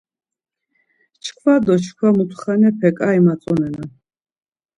Çkva do çkva mutxanepe ǩai matzonenan.